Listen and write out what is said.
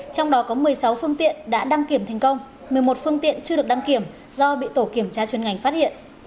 trong đó có một mươi sáu phương tiện đã đăng kiểm thành công một mươi một phương tiện chưa được đăng kiểm do bị tổ kiểm tra chuyên ngành phát hiện